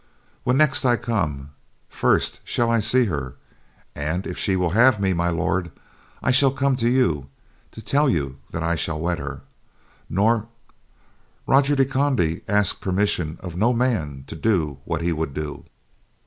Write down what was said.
When next I come, first shall I see her and if she will have me, My Lord, I shall come to you to tell you that I shall wed her. Norm—Roger de Conde asks permission of no man to do what he would do."